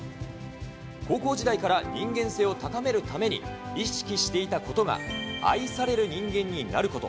高校時代から人間性を高めるために意識していたことが、愛される人間になること。